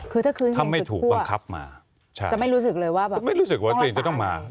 คือถ้าคืนเป็นสิ่งสุขกัวจะไม่รู้สึกเลยว่าต้องรักษาไงถ้าไม่ถูกบังคับมาใช่